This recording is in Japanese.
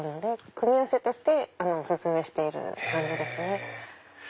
組み合わせとしてお薦めしている感じですね。